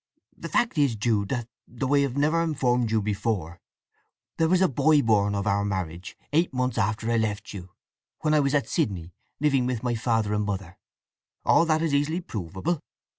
The fact is, Jude, that, though I have never informed you before, there was a boy born of our marriage, eight months after I left you, when I was at Sydney, living with my father and mother. All that is easily provable.